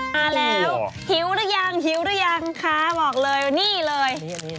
มาแล้วหิวหรือยังคะบอกเลยนี่เลย